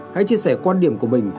hãy chia sẻ quan điểm của mình